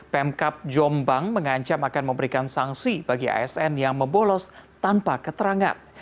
pemkap jombang mengancam akan memberikan sanksi bagi asn yang membolos tanpa keterangan